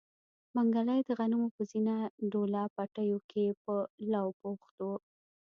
منګلی د غنمو په زينه ډوله پټيو کې په لو بوخت و.